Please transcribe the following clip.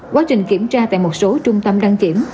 quá trình kiểm tra tại một số trung tâm đăng kiểm